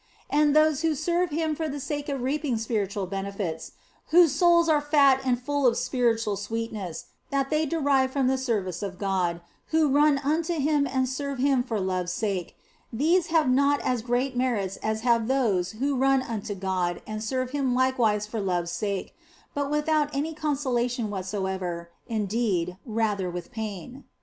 And those who serve Him for the sake of reaping spiritual benefits, whose souls are fat and full of spiritual sweetness which they derive from the service of God, who run unto Him and serve Him for love s sake, these have not as great merit as have those who run unto God and serve Him likewise for love s sake, but without any consolation whatsoever, indeed, rather with pain.